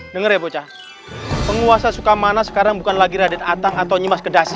dengar ya bocah penguasa sukamana sekarang bukan lagi radit atang atau nyemas kedasi